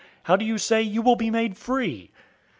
How do you say, 'You will be made free?'"